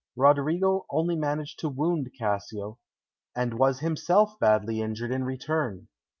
Roderigo only managed to wound Cassio, and was himself badly injured in return.